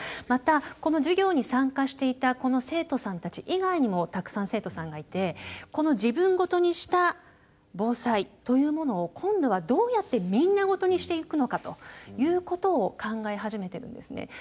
またこの授業に参加していたこの生徒さんたち以外にもたくさん生徒さんがいてこの自分ごとにした防災というものを今度はどうやってみんなごとにしていくのかということを考え始めてるんですね。